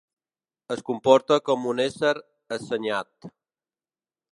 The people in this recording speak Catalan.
Es comporta com un ésser assenyat.